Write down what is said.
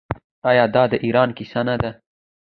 آیا دا د ایران کیسه نه ده؟